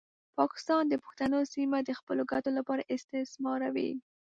پاکستان د پښتنو سیمه د خپلو ګټو لپاره استثماروي.